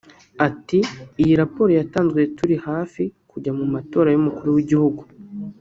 Ati “Iyi raporo yatanzwe turi hafi kujya mu matora y’umukuru w’igihugu